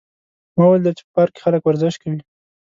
ما ولیدل چې په پارک کې خلک ورزش کوي